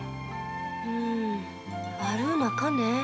うん悪うなかね。